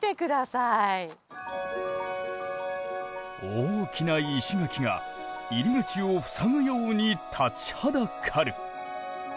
大きな石垣が入り口を塞ぐように立ちはだかる。